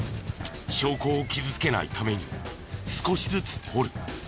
証拠を傷つけないために少しずつ掘る。